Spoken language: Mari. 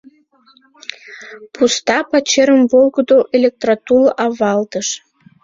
Пуста пачерым волгыдо электротул авалтыш.